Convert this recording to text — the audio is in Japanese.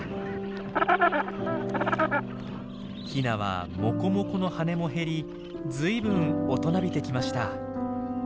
ヒナはモコモコの羽も減りずいぶん大人びてきました。